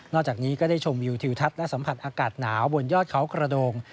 จากนี้ก็ได้ชมวิวทิวทัศน์และสัมผัสอากาศหนาวบนยอดเขากระโดง